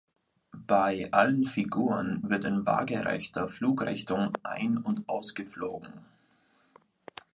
Bei allen Figuren wird in waagerechter Flugrichtung ein- und ausgeflogen.